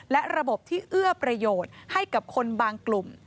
และระบบที่เอื้อประโยชน์ให้กับคนบางกลุ่ม